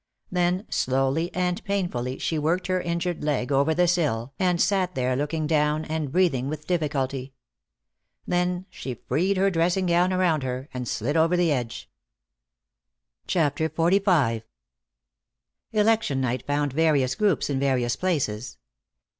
Then slowly and painfully she worked her injured leg over the sill, and sat there looking down and breathing with difficulty. Then she freed her dressing gown around her, and slid over the edge. CHAPTER XLV Election night found various groups in various places.